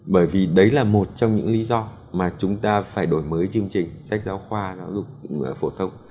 bởi vì đấy là một trong những lý do mà chúng ta phải đổi mới chương trình sách giáo khoa giáo dục phổ thông